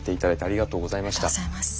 ありがとうございます。